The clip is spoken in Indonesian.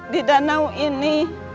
di danau ini